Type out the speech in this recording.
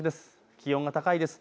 気温が高いです。